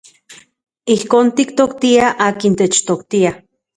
Ijkon tiktoktiaj akin techtoktia.